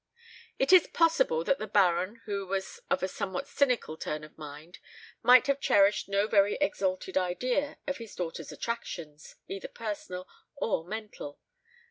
It is possible that the Baron, who was of a somewhat cynical turn of mind, may have cherished no very exalted idea of his daughter's attractions, either personal or mental.